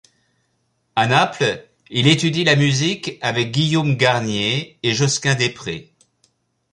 A Naples, il étudie la musique avec Guillaume Garnier et Josquin des Prés.